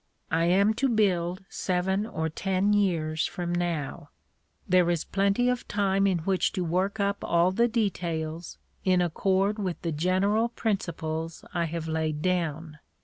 I am to build seven or ten years from now. There is plenty of time in which to work up all the details in accord with the general principles I have laid down.